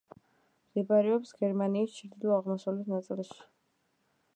მდებარეობს გერმანიის ჩრდილო-აღმოსავლეთ ნაწილში.